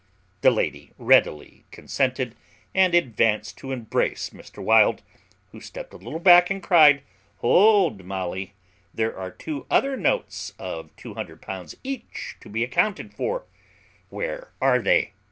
The lady readily consented, and advanced to embrace Mr. Wild, who stepped a little back and cryed, "Hold, Molly; there are two other notes of L200 each to be accounted for where are they?"